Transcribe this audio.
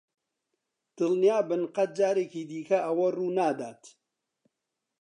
دڵنیابن قەت جارێکی دیکە ئەوە ڕوونادات.